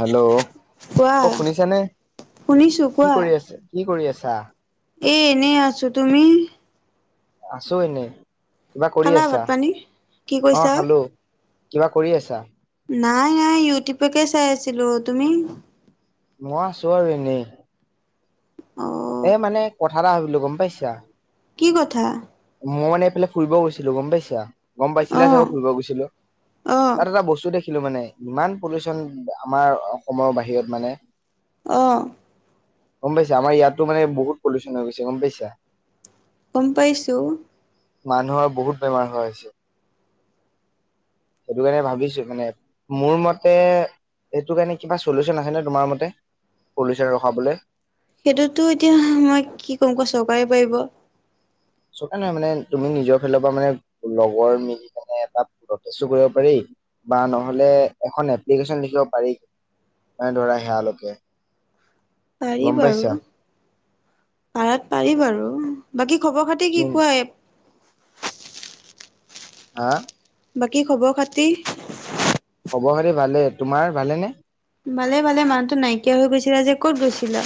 Hello, কোৱা অ, শুনিছানে? শুনিছো কি কোৱা কৰি আছে? কি কৰি আছে? আছা এ, এনেই আছো। তুমি? আছো এনেই। খালা ভাত পানী? কি কৈছা? খালো কিবা কৰি আছা? নাই, নাই, ইউটিউবকে চাই আছিলো, তুমি? মই আছো, আৰু এনে। অ এ, মানে কথা, এটা ভাবিলো গম পাইছা। কি কথা? মই মানে এইফালে ফুৰিব গৈছিলো, গম পাইছা। গম অ পাইছিলে চাগে, ফুৰিব গৈছিলো, অ তাত এটা বস্তু দেখি দেখিলো মানে, ইমান পল্লিচন আমাৰ অসমৰ বাহিৰত মানে অ' গম পাইছা, আমাৰ ইয়াতো মানে, বহুত পলিউচন হৈ গৈছে, গম পাইছা। গম পাইছোঁ। মানুহৰ বহুত বেমাৰ হোৱা হৈছে। সেইটো কাৰণে ভাবিছো মানে, মোৰ মতে সেইটো কাৰণে কিবা চলিউচন আছে নে, তোমাৰ মতে পল্লিউছন ৰখাবলৈ? সেইটোতো এতিয়া মই কি কম, অকল চৰকাৰে পাৰিব। চৰকাৰ নহয়, মানে তুমি নিজৰ ফালৰ পৰা মানে, লগৰ মিলি কেনে এটা প্ৰতেষ্ট পাৰি, বা নহলে এখন এপ্লিকেশন লিখিব পাৰি, মানে ধৰা সেয়ালৈকে। পাৰি গম বাৰু। পাইছা। পাৰাত পাৰি, বাৰু বাকী খবৰ খাতি কি কোৱা, এ, হা? বাকী খবৰ খাতি? খবৰ খাতি ভালে তোমাৰ ভালে নে? ভালে, ভালে মানুহটো নাইকিয়া হৈ গৈছিলা যে, ক'ত গৈছিলা?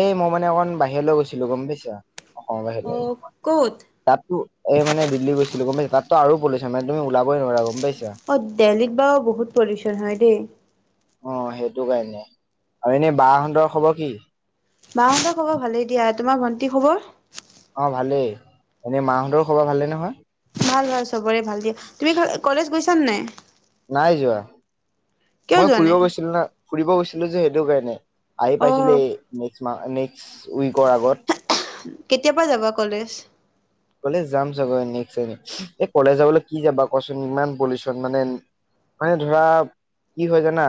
এই মই মানে অকণমান, বাহিৰলৈ গৈছিলো গম পাইছা। অসমৰ অ বাহিৰে, ক'ত তাতো এই মানে, দিল্লী গৈছিলো, গম পাইচা তাত তাতটো আৰু পলিউচন মানে তুমি উলাবই, নোৱাৰা গম পাইছা। অ' দিল্লীত বাৰু বহুত, পলিউচন হয় দেই। অ' সেইটো কাৰণে আৰু এনে বা হতঁৰ খবৰ কি? বাহঁতৰ খবৰ ভালেই দিয়া, তোমাৰ ভণ্টি খবৰ? অ' ভালেই। এনেই মাহঁতৰ খবৰ ভালে নহয়? ভাল ভাল চবৰে ভাল দিয়া। তুমি কলেজ গৈছ [unintelligible] নাই যোৱা। মই যোৱা নাই ফুৰিব গৈছিলো না। ফুৰিব গৈছিলো যে সেইটো কাৰণে। আহি অ পাইছিলে এ। [unintelligible] কেতিয়াৰ পৰা যাবা কলেজ? এ, যাম চাগৈ নেক্সট [unintelligible] এই কলেজ যাবলৈ কি যাবা কচোন ইমান পলিউচন মানে মানে ধৰা কি হয় জানা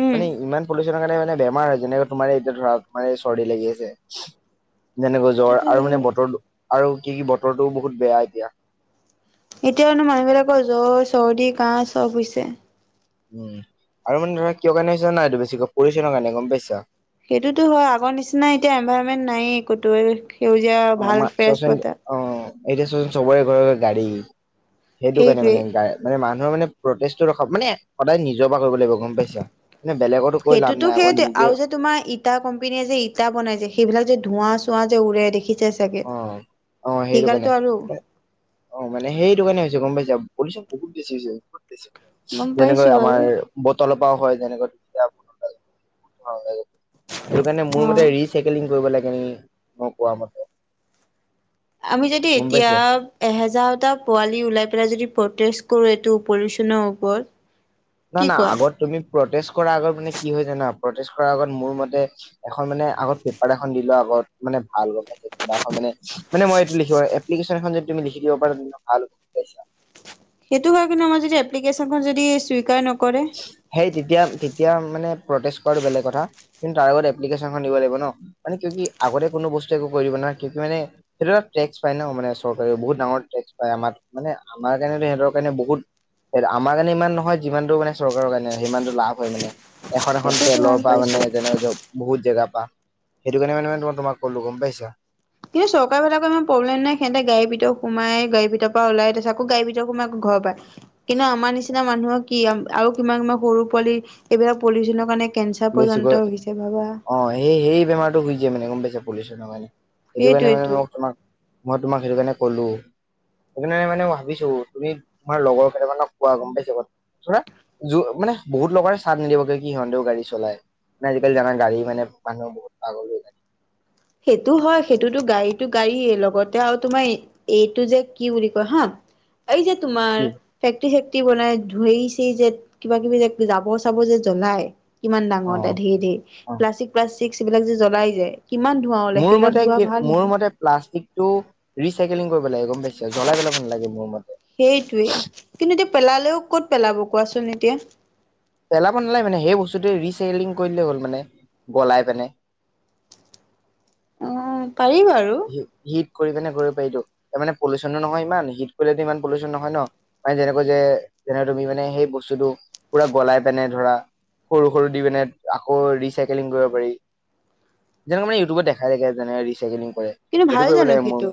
উম মানে ইমান পলিউচনৰ কাৰণে মানে বেমাৰ হয় যেনেকোৱা তোমাৰ এতিয়া ধৰা তোমাৰ চৰ্দি লাগি আছে। যেনেকৈ জ্বৰ সেইটোতো আৰু মানে হয় বতৰটো আৰু কি কি বতৰটোও বহুত বেয়া এতিয়া। এতিয়াওনো মানুহবিলাকৰ জ্বৰ চৰ্দি কাহ চব হৈছে। উম, আৰু মানে ধৰা কিয় কাৰণে হৈছে যানা এইটো বেছিকৈ পলিউচনৰ কাৰণে গম পাইছা। সেইটোতো হয় আগৰ নিচিনা এতিয়া এনভাৰনমেন্ট নায়ে। কটোইয়ে সেউজীয়া অ ভাল ফ্ৰেছ চোৱাচোন বতাহ। অ এতিয়া চোৱাচোন চবৰে ঘৰে-ঘৰে গাড়ী। সেইটো কাৰণে সেইটোৱে মানে [unintelligible] মানে মান নহয় মানে প্ৰতেচটো ৰখাব মানে সদায় নিজৰ পৰা কৰিব লাগিব গম পাইছা। মানে বেলেগতো কৈ লাভ সেইটোতো নাই আকৌ সেইটোয়ে নিজে আৰু যে তোমাৰ ইটা কোম্পনীয়ে যে ইটা বনাই যে সেইবিলাক যে ধোৱা চোৱা যে উৰে দেখিছে চাগে অ', অ' সেইটো কাৰণে সিগালটো আৰু অ' মানে সেইটো কাৰণে হৈছে গম পাইছা পুলিচা বহুত বেছি হৈছে। গম যেনেকৈ পাইছো আমাৰ বাৰু বটল কোৱা হয় যেনেকুৱা [unintelligible] সেইটো কাৰণে মোৰ মতে অ'। ৰিচাইকেলিং কৰিব লাগে নি [unintelligible] মই কোৱা মতে। আমি যদি গম এতিয়া পাইছা। এহেজাৰটা পোৱালি ওলাই পেলাই যদি কৰ এইটো পলিচনৰ ওপৰত। কি না-না কোৱা? আগত তুমি প্ৰটেচ কৰাৰ আগত মানে কি হয় জানা প্ৰটেচ কৰাৰ আগত মোৰ মতে এখ মানে আগত পেপাৰ এখন দিলোৱা আগত মানে ভাল পাইছে কিবা এখন মানে মানে মই এইটো লিখিব এপ প্লিকেশন এখন যদি তুমি লিখি দিব পাৰা তেনে ভাল হৈছা। সেটো হয় কিন্তু আমা যদি এপ্লিকেশ্যনখন যদি স্বুইকাৰ নক হেই তেতিয়া তে তিয়া মানে প্ৰটেচ কৰাটো বেলেগ কথা কিন্তু তাৰ আগত এপ্লিকেশ্যনখন দিব লাগিব ন। মানে কিউকি আগতে কোনো বস্তু একো কইব নৱাই কিউকি মানে হেটো টেক্স পায় ন মানে চৰকাৰেও বহুত ডাঙৰ টেক্স পায় আমাৰ মানে আমাৰ কাৰণেতো সিহতৰ কাৰণে বহুত, আমাৰ কাণে ইমান নহয় যিমানটো মানে চৰকাৰ কাৰণে হিমানতটো লাভ হয় মানে। এখন-এখন সেইটোতো গম তেলৰ পা পাইছো। মানে যেনেৱ যৌপ বহুত জেগা পা সেইটো কাৰণে মানে-মানে তোমা-তোমাক ক'লো গম পাইছা। কিন্তু চৰকাৰবিলাকৰ ইমান প্ৰবলেম নাই সেহতে গাড়ী ভিতৰত সোমাই, গাড়ী ভিতৰৰ পা ওলাই তাপিছত আকৌ গাড়ী ভিতৰত সোমাই আকৌ ঘৰ পায়। কিন্তু আমাৰ নিচিনা মানুহৰ কি আ-আও কিমান- কিমান সৰু পোৱালি এবিলাক পলিথিনৰ কাৰণে কেঞ্চাৰ পৰ্যন্ত বেছিকৈ হৈছে ভাবা অ' সেই সেই বেমাৰটো হই যায় মানে। গম পাইছ? পলিউচন কাৰণে এইটো কাৰণে মানে সেইটোৱেটো। মই তোমাক মই তোমাক সেইটো কাৰণে ক'লো সেইকাৰণে মানে ভাবিছো, তুমি তোমাৰ লগৰ কেইটা মানক কোৱা। গম পাইচা? ধৰা মানে বহুত লগে ও চাদ নিদিবগে কি সিহঁতেও গাড়ী চলাই। মানে আজিকালি জানাই গাড়ী কাৰণে মানুহ বহুত পাগল হৈ থাকে। সেইটো হয়, সেইটোতো গাড়ীটো গাড়ীয়ে লগতে আৰু তোমাৰ এইটো যে কি বুলি কয় হা। এই যে তোমাৰ কি তি শেক্তি বনাই ধুইচি যে কিবা কিবি যে জাব চাব যে জ্বলাই। কিমান অ ডাঙৰতে ধেঢে অ প্লাষ্টিক-প্লাষ্টিক টিকচ এইবিলাক যে জ্বলাই যে। ইমান মোৰ মতে কি, মোৰ মতে প্লাষ্টিক টো ৰিচাইকেলিং কৰিব লাগে গম পাইছে। জ্বলাই পেলাব নালাগে মোৰ মতে সেইটোৱেই কিন্তু এতিয়া পেলালেও ক'ত পেলাব কোৱাচোন এতিয়া? পেলাব নালাগে মানে হে বস্তুটোৱে ৰিচাইকেলিং কৰি দিলেই হ'ল মানে গলাই পেনে। অ পাৰি বাৰু। হি- হিট কৰি পেনে কৰিব পাৰি টো, তা মানে পলিচনো নহয় ইমান, হিট কৰিলেটো ইমান পলোচন নহয় ন। মানে যেনেকৈ যে-যেনে তুমি মানে সেই বস্তুটো পুৰা গলাই পেনে ধৰা সৰু সৰু দি পেনে আকৌ ৰিচাইকেলিং কৰিব পাৰি। যেনেকে মানে ইউটিউবত দেখাইগে যেনে ৰিচাইকেলিং কয়। কিন্তু ভাল জানো সেইটো?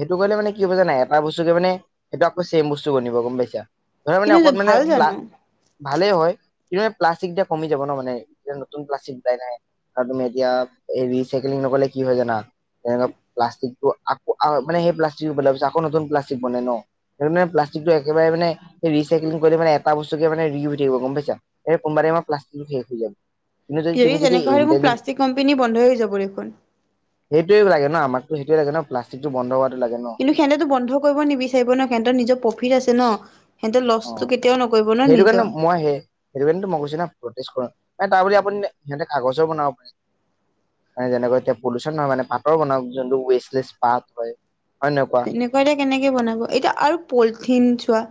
হেটো কৰিলেল মানে কি হ'ব জানে, এটা বস্তুকে মানে, সেটো আকৌ চেম বস্তু বনিব গম পাইছা। কিন্তু ভাল জানো? ভালে হয় কিন্তু মানে প্লাষ্টিক যে কমি যাব ন মানে এতিয়া নতুন প্লাষ্টিক [unintelligible] আও তুমি এতিয়া এ ৰিচাইকেলিং নকলে কি হয় জানা? প্লাষ্টিকটো আকৌ আ-মানে হে প্লাষ্টিক ৰূপত লৈ গৈছে, আকৌ নতুন প্লাষ্টিক বনাই ন। হেতুনে প্লাষ্টিকটো একেবাই মানে হে ৰিচাইকেলিং কইলে মানে এটা বস্তুকে মানে ৰি ইউ হৈ থাকিব গম পাইছা। হে কোনোবা টাইম প্লাষ্টিক শেষ হৈ যাব। কিন্তু যদি কেবি তুমি যদি কেনেকুৱা হ'লে এবো ইণ্টেলি প্লাষ্টিক কোম্পেনী বন্ধ হৈ যাব দেখোন। হেটোৱে লাগে না, আমাকতো হেটোৱে লাগে ন প্লাষ্টিকটো বন্ধ হোৱা কিন্তু সেহতো বন্ধ কৰিব নিবিচাৰিব ন সহতৰ নিজৰ প্ৰফিট আছে নহ অ লছটো কেতিয়াও নকৰিব ন সেইটো কাৰণে নিজৰ চোৱা বদলি আপুনি কাগজৰ বনাব পাৰিব। কেনেকৈ এতিয়া পলোচন নহয়মানে পাতৰ বনাওক জুনত, তেনেকুৱা এতিয়া কেনেকে বনাব এতিয়া আৰু পলিথিন চোৱা,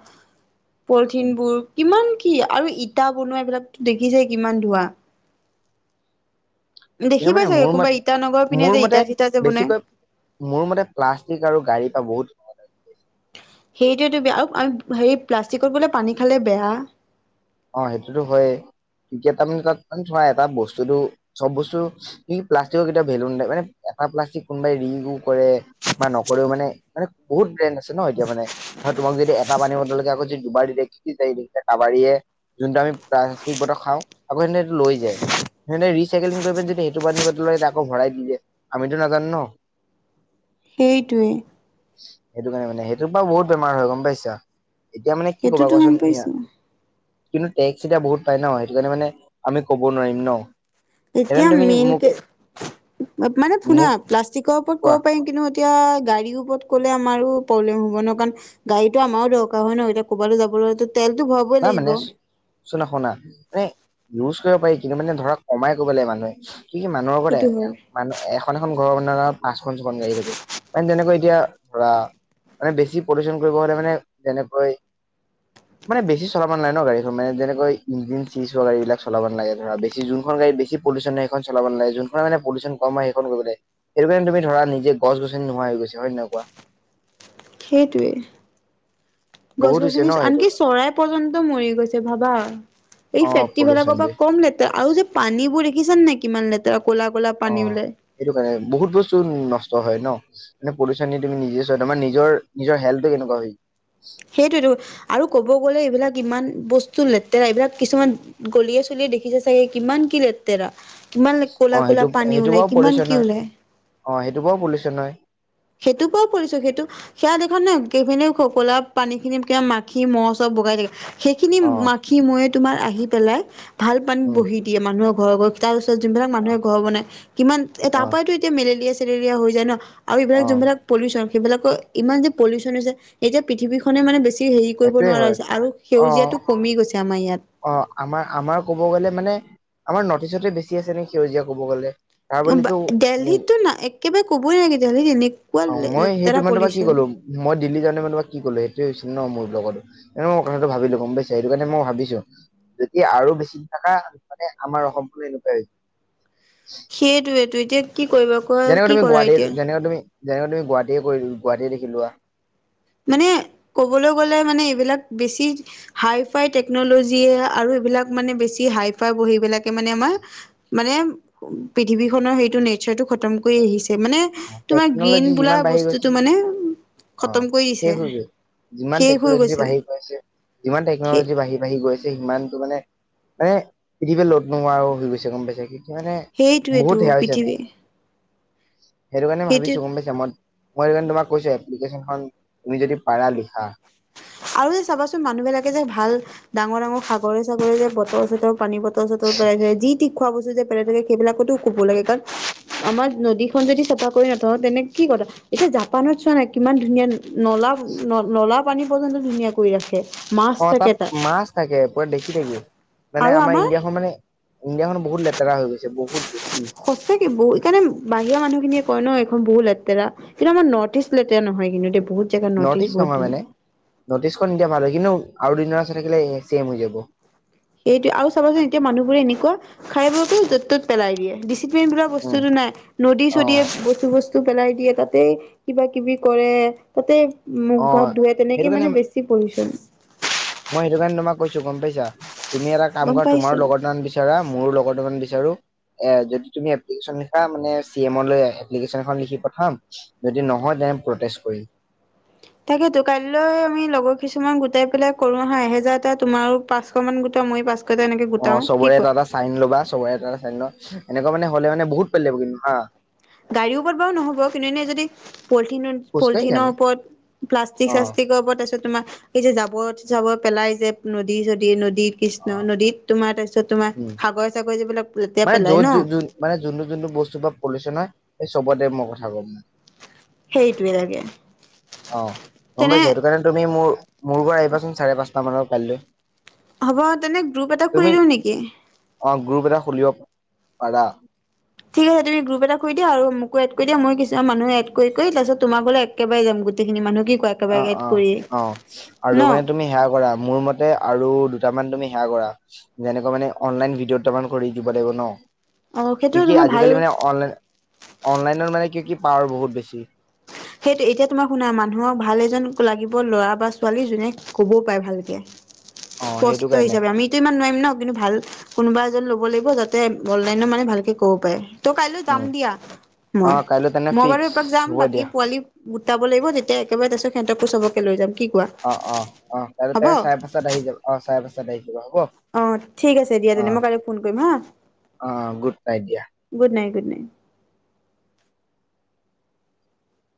পলিথিনবোৰ কিমান কি? কি আৰু ইটা বনোৱা এইবিলাকো দেখিছে কিমান ধুৱা। কিন্তু পাই মানে চাগে মোৰ কোনোবা ইটানগৰৰ মতে পিনে যে মোৰ ইটা মতে চিটা যে বনাই বেছিকৈ মোৰ মতে প্লাষ্টিক আৰু গাড়ীৰ পৰা বহুত, সেইটোয়ো বেয়া আৰু হেৰি প্লাষ্টিকত বোলে পানী খালে বেয়া। অ' সেইটোতো হয় এতিয়া তাৰ মানে তাত চোৱা কি তাৰমানে তাতে ধৰা এটা বস্তুতটো চব বস্তু কি প্লাষ্টিকৰ কেতিয়া ভেলু নদায় মানে এটা প্লাষ্টিক কোনোবাই ৰি ৰু কৰে বা নকৰেও মানে মানে বহুত ব্ৰেণ্ ন এতিয়া মানে, তোমাক যদি এটা পানী বদলকে আকৌ যদি দুবাৰ দি দিয়ে কি বিচাৰিব ধৰা কবাৰীয়ে। যোনটো আমি প্লাষ্টিক বতৰ খাওঁ আকৌ সেহনেটো লৈ যায় স ৰিচাইকিং কৰিব পেলাই যদি সেইটো পানী বটল যদি আকৌ ভৰাই দি যে আমিতো নাজানো ন, সেইটোৱে, সেইটো কাৰণে মানে সেইটোক পৰা বহুত বেমাৰ হয় গম পাইছা। এতিয়া মানে কি ক'বা সেইটোতো গম কোৱাচোন পাইছো। কিন্তু টেক্স এতিয়া বহুত পাই ন সেইটো কাৰণে মানে আমি ক'ব নোৱাৰিম ন এতিয়া সেইকাৰণে তুমি মেইন মোক কে মানে, শুনা মোক প্লাষ্টিকৰ ওপৰত কোৱা ক'ব পাৰিম কিন্তু এতিয়া গাড়ীৰ ওপৰত'লে আমো প্ৰব্লেম হ'ব ন কাৰণ গাড়ীতটো আমাৰো দৰকাৰ হয় ন এতিয়া ক'ৰবালৈ যাবলৈটো না মানে শুনা শুনা মানে ইউজ কৰিব পাৰি কিন্তু মানে ধৰা কমাই কৰিব লাগে মানুহে, কি কি মানুহৰ আতে সেইটো হয়। মানুহ এখন এখন ৰ পাঁচখন ছখন গাড়ী থাকে মানে তেনেকৈ এতিয়া ধৰা মানে বেছি পলিশন কৰিব হলে মানে যেনেকৈ, মানে বেছি চলাব নাগ ন গাড়ীখন মানেনেক ই্জিন চিজ হোৱা গাড়ীবিল চলাব নালাগে ধৰা বেছি যোনখন গাড়ী বেছ পিউ্যন হয় সেইখন চলাব নাগে যোনখননৰ মানে পলিউ্যন কম সেইখন কৰিব লাগে সেইটো কাৰণে তুমি ধৰা নিজে গছনি নোহোৱা হৈ গৈছে হয় নকুৱা সেইটোৱেই, গছ বহুত হৈছে গছনি ন সেইটো আনকি চৰাই পৰ্যন্ত মৰি গৈছে ভাবা, উম। এই অ ফেক্টৰ পলিউচন বিলাকৰ পৰা যে কম লেতে আৰু যে পানীবোৰ দেখিছানে নেকি? কিমান লে অ' সেইটো কাৰণে বহুত বস্তু নষ্ট। হয় ন মানে পলিশ্যন তুমি নিজে চ তোমাৰ নিজৰ নিজৰ হেল্থটো কেনেকুৱা হয়। সেইটোতো আৰু ক'ব গ'লে এইবিলাক ইমান বস্তু, বস্তু লেতেৰা এইবিলাক কিছুমান গলিয়ে চলিয়ে দেখিছে চাগে কিমান কি লেতেৰা? কিমান অ ক'লা ক'লা সেইটো পানী সেইটো ওলাই বাৰু কিমান পলিউচন কি হয় ওলাই। অ' সেইটো পৰা ও পৰিউচন হয়। সেইটোৰ পৰাও পৰিছো, সেইটো সেয়া দেখানাই সেইখিনি কোলা পানী খিনি মাখি মহ চব বগাই থাকে। সেইখিনি অ মাখি ময়ে তোমাৰ আহি পেলাই, ভাল পানীত উম বহি দিয়ে মানুহক [unintelligible] ত যোনবিলাক অ মানুহে ঘৰ বনাই, কিমান এ অ তাৰ পৰাইটো এতিয়া মেলেৰিয়া চ মেলেৰিয়া হৈ যায় ন। আৰু এইবিলাক অ যোনবিলাক পলিউচন। সেইবিলাকৰ ইমান যে পলিউচন হৈছে, এই যে পৃথিৱী খনে মানে বেছি হেৰি কৰিব সেইটোৱে নোৱাৰা হয় হৈছে, আৰু অ সেউজীয়াটো কমি গৈছে। আমাৰ ইয়াত অ' আমাৰ, আমাৰ ক'ব গলে মানে আমাৰ নৰ্থ ইষ্টটে বেছি আছে নেকি, সেউজীয়া ক'ব গ'লে। তাৰ বুলিতো, মোৰ, দেলহিততো না একেবাৰে ক'বই নালাগে দেলহিত এনেকুৱা অ' মই সেই লেতেৰা তোমাক, মই কি পলিউচন কলো, মই দিল্লী যাওঁতে মই তোমাক কি কলো এইটোয়ে হৈছিল ন, মোৰ। লগত, এই মই কথাটো ভাবিলো গম পাইছে, সেইটো কাৰণে মই ভাবিছোঁ। যদি আৰু বেছি থাকা, মানে আমাৰ অসমখনো এনেকুৱাই হৈ যাব। সেইটোৱেই। তো এতিয়া কি কৰিবা কোৱা যেনেকুৱা কি তুমি কৰা গুৱাহাটীৰ, এতিয়া যেনেকা তুমি যেনেকা তুমি গুৱাহাটীয়ে কৰি, গুৱাহাটীয়ে দেখি লোৱা। মানে ক'বলৈ গলে, মানে এইবিলাক বেছি হাই ফাই টেকনলজিয়ে। আৰু এইবিলাক মানে বেছি হাই ফাই বহি বিলাক। মানে আমাৰ [inaudible] মানে পৃথিৱীখনৰ সেইটো নেচাৰ টো খতম কৰি আহিছে। মানে তোমাৰ গ্ৰীণ টেকন'লজি বোলা যিমান বাঢ়ি গৈছে বস্তুটো মানে। অ খতম।। কৰি দিছে শেষ হৈ গৈছে যিমান শেষ হৈ টেকন'লজি গৈছে বাঢ়ি গৈ আছে। যিমান সেই টেকনলজি বাঢ়ি বাঢ়ি।। গৈছে সিমানতো মানে মানে পৃথিৱাে লৌদ নোহোৱা হৈ গৈছে। গম পাইছে কি।। কি মানে বহুত সেইটোৱেতো সেয়া হৈছে পৃথিৱী। সেইটো কাৰণে ভাবিছো গম পাইছা মই।। মই সেই কাৰণে তোমাক কৈছোৱে, এপ্লিকেচন খন তুমি যদি পাৰা লিখা। আৰু যে চাবাচোন, মানুহবিলাকে যে ভাল ডাঙৰ ডাঙৰ সাগৰে চাগৰে যে বটল চটল পানী বটল চটল পেলাই যে যি টি খোৱা বস্তু যে পেলাই থাকে সেইবিলাকতো কব লাগে, কাৰণ আমাৰ নদীখন যদি চাফা কৰি নথওঁ, তেনে কি কথা, এতিয়া জাপানত চোৱা না কিমান ধুনীয়া নলা ন নলা পানী পৰ্যন্ত ধুনীয়া কৰি ৰাখে। মাছ অ', থাকে তাত মাছ থাকে, পুৰা দেখি থাকে, মানে আমাৰ ইণ্ডিয়াখন মানে ইণ্ডিয়াখন বহুত লেতেৰা হৈ গৈছে, বহুত বেছি সঁচাকে বহু সেইকাৰণে বাহিৰা মানুহখিনিয়ে কয় ন এইখন বহু লে লেতেৰা কিন্তু আমাৰ নৰ্থ ইষ্ট লেতেৰা নহয় কিন্তু দে। নৰ্থ ইষ্ট নহয় মানে, নৰ্থ ইষ্টখন [unintelligible] ভাল হয় কিন্তু আৰু দুদিন মানৰ [unintelligible] থাকিলে এ চেম হৈ যাব সেইটোৱে আৰু চাবাচোন এতিয়া মানুহবোৰে এনেকুৱা খাই বোৰতো য'ত ত'ত পেলাই দিয়ে দি দিচিল্পেন বোলা বস্তুটো নাই, নদী অ চদিয়ে বস্তু বচ পেলাই দিয়ে তাতেই, কিবা কিবি কৰে, তাতেই অ মুখ হাত ধুৱাই, সেইটো তেনেকে কাৰণে মানে বেছি প্ৰয়োজন। মই সেইটো কাৰণে তোমাক কৈছো, গম পাইছা? তুমি এটা কাম গম কৰা পাইছো তোমাৰ লগৰ [unintelligible] বিচাৰা। মইয়ো লগতে মানে বিছাৰো, এ যদি তুমি এপ্লিকেচন লিখা মানে চি এ মলৈ এপ্লিকেচন এখন লিখি পথাম, যদি নহয়, তে প্ৰতেচ কৰিম। তাকেতো কাইলৈ আমি লগৰ কিছুমান গোটাই পেলাই কৰো আহা, এহেজাৰ এটা তোমাৰো পাঁচশ মান গোটা মইয়ো পাঁচ অ', চবৰে এটা এটা চাইন লবা, চবৰে এটা এটা চাইন ল এনেকুৱা মানে হলে মান বহুত [unintelligible] লাগিব কিন্তু হা। গাড়ীৰ ওপৰত বাৰু নহ'ব, কিন্তু এনে যদি পলথিনত খোজকাঢ়ি যাম পলিথিনৰ ওপৰত প্লাষ্টিক অ চাষ্টিকৰ ওপৰত তাৰপিছত তোমাৰ এই যে জাৱৰত জাবৰ পেলাই যে, নদী চদী নদী অ কৃষ্ণ নদীত তোমাৰ তা পিছত তোমাৰ উম সাগৰ চাগৰ যিবিলাক লেতেৰা মানে পেলাই ন। পলিউশ্যনে, এ চবতে মই কথা ক'ম। সেইটোৱে লাগে অ' গম তেনে পাইছো, সেইটো কাৰণে তুমি মোৰ মোৰ ঘৰ আহিবাচোন, চাৰে পাঁচটা মানৰ কাইলৈ। হ'ব তেনে গ্ৰুপ এটা তুমি কৰি দিও নেকি? অ' গ্ৰুপ এটা খুলিব পাৰা। ঠিক আছে তুম গ্ৰুপ এটা কৰি দিয়া, আৰু মোকো এড কৰি দিয়া মই কিছুমান মানু মানে এড কৰি কৰি তাৰিছত তোমাকো একে একেবাৰে যাম, গোটেইখিনি মানুহ কি কোৱা অ', একেবাৰে এড অ', কৰিয়ে অ', আৰু ন মানে তুমি সেয়া কৰা, মোৰ মতে আৰু দুটামান তুমি হেয়া কৰা যেনেকুৱা মানে অনলাইন ভিডিঅ' দুটামান কৰি দিব লাগিব ন। অ সেইটো কি কি তোমাৰ আজিকালি ভাল মানে অনলাইন অনলাইনৰ মানে কি কি পাৱাৰ বহুত বেছি। সেইটো এতিয়া তোমাৰ শুনা মানুহক ভাল এজন লাগিব ল'ৰা বা ছোৱালী যোনে কবও পাৰে ভালকে। অ সেইটো স্পষ্ট কাৰণে হিচাপে আমিতো ইমান নোৱাৰিম ন কিন্তু ভাল কোনোবা যেন ল'ব লাগিব যাতে অনলাইন মানে ভালকে ক'ব পাৰে। ত' কাইলৈ যাম উম দিয়া। অ মই কাইলৈ তেনে মই বাৰু ফিক্স এপাক যাম। হ'ব কি দিয়া পোৱালি গটাব লাগিব যেতিয়া একেবাৰোৰপিছতিহঁতকো চবকে লৈ যাম। কি কোৱা? অ' অ 'অ 'তা হ'ব তাতে চাৰে পাচতা আহি যাবা অ চাৰে পাচতা। [unintelligible] অ', ঠিক আছে দিয়া তেনে, মই কাইলে ফোন কৰিম হা। অ গুড নাইট দিয়া গুড নাইট, গুড নাইট।